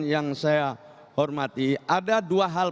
yang saya hormati ada dua hal